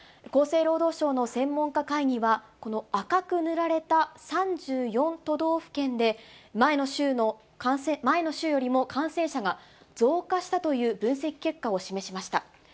厚生労働省の専門家会議は、この赤く塗られた３４都道府県で、前の週よりも感染者が増加したという分析結果を示しました。